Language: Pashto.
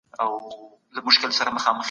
لويه جرګه به ټولنيز عدالت تامين کړي.